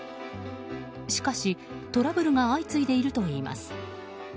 しかし、トラブルが相次いでいるといいます。